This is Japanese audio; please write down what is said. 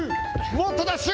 もっとダッシュ。